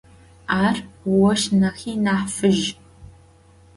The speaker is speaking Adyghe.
Ar voş nahi nah fıj.